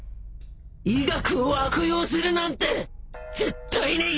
医学を悪用するなんて絶対に許さねえぞ！